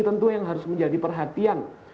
tentu yang harus menjadi perhatian